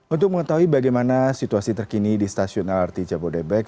untuk mengetahui bagaimana situasi terkini di stasiun lrt jabodebek